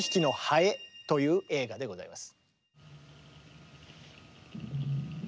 という映画でございます。